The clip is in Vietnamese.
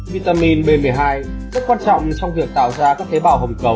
vitamin b một mươi hai rất quan trọng trong việc tạo ra các tế bào hồng cầu